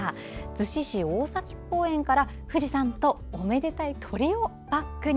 逗子市大崎公園から、富士山とおめでたい鳥をバックに。